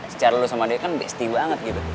secara lu sama dia kan besti banget gitu